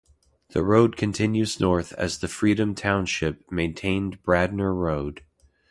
The road continues north as the Freedom Township-maintained Bradner Road.